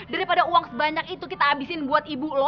daripada uang sebanyak itu kita abisin buat ibu lo